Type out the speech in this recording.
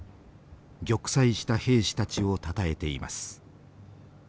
玉砕した兵士たちをたたえています。